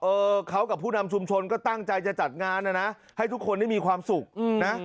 เออเขากับผู้นำชุมชนก็ตั้งใจจะจัดงานนะนะให้ทุกคนได้มีความสุขนะ